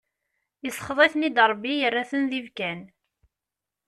Isxeḍ-iten-id Rebbi, yerran-ten d ibkan.